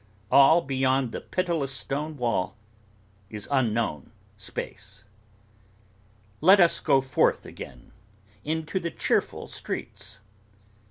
All beyond the pitiless stone wall, is unknown space. Let us go forth again into the cheerful streets.